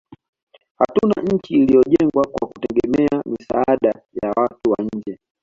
hakuna nchi inayojengwa kwa kutegemea misaada ya watu wa nje